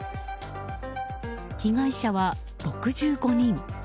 被害者は６５人。